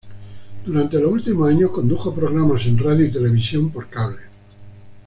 Durante los últimos años condujo programas en radio y televisión por cable.